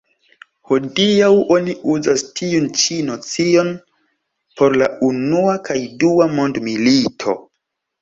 Hodiaŭ oni uzas tiun ĉi nocion por la unua kaj dua mondmilito.